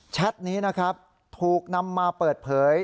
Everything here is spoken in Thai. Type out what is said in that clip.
แท็ตนี้นะครับถูกนำมาเปิดเผย